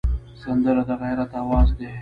سندره د غیرت آواز دی